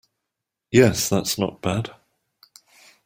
Yes, that's not bad.